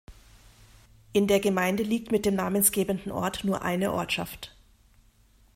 In der Gemeinde liegt mit dem namensgebenden Ort nur eine Ortschaft.